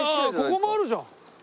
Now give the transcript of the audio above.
ここもあるじゃん！